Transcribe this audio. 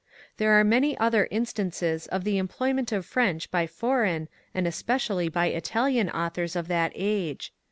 There are many other instances of the employment of French by foreign, and especially b}^ Italian authors of that age.